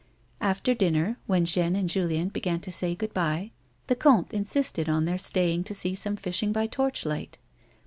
After dinner, when Jeanne and Julien began to say good bye, the comte insisted on their staying to see some fisiiing by torclilight.